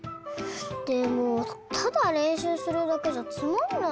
でもただれんしゅうするだけじゃつまんないよ。